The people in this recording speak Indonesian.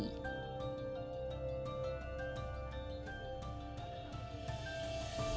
pembelian jaringan jaringan